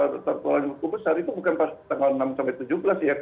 tetaplah cukup besar itu bukan pas tanggal enam sampai tujuh belas ya